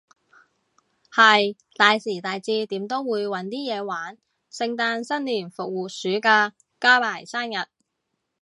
係，大時大節點都會搵啲嘢玩，聖誕新年復活暑假，加埋生日